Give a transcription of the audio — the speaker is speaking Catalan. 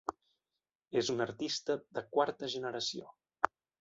És una artista de quarta generació.